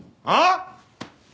ああ？